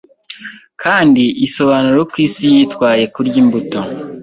kandi isobanura uko isi yitwaye kurya imbuto